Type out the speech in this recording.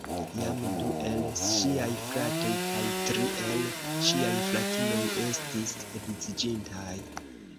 Jam du el ŝiaj fratoj kaj tri el ŝiaj fratinoj estis edziĝintaj.